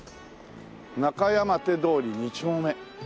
「中山手通２丁目」